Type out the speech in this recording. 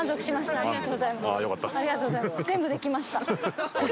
ありがとうございます。